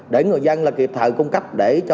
để người dân kịp thời cung cấp để cho